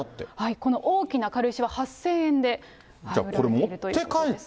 この大きな軽石は８０００円で売られているということです。